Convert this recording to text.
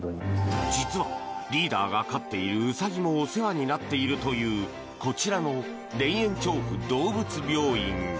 実はリーダーが飼っているウサギもお世話になっているというこちらの田園調布動物病院。